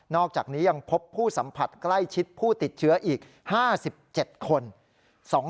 อกจากนี้ยังพบผู้สัมผัสใกล้ชิดผู้ติดเชื้ออีก๕๗คน